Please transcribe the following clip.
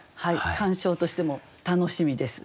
鑑賞としても楽しみです